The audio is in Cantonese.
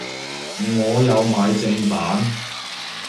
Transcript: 我有買正版